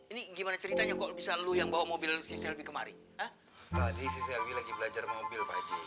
ini gimana ceritanya kok bisa lu yang bawa mobil kemarin tadi si selwi lagi belajar mobil